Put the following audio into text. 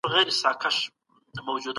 کمپيوټر هسټري ساتي.